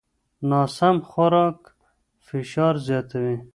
ناسم خوراک فشار زیاتوي.